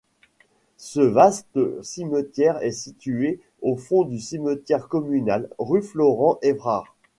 Ce vaste cimetière est situé au fond du cimetière communal, rue Florent Evrard.